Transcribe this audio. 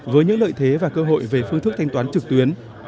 với những lợi thế và cơ hội về phương thức thanh toán trực tuyến